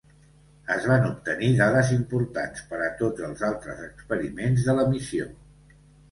Es van obtenir dades importants per a tots els altres experiments de la missió.